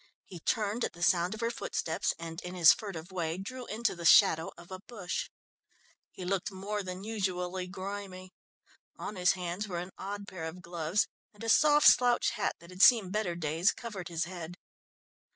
He turned at the sound of her footsteps and in his furtive way drew into the shadow of a bush. He looked more than usually grimy; on his hands were an odd pair of gloves and a soft slouch hat that had seen better days, covered his head.